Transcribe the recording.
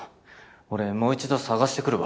俺もう一度捜してくるわ。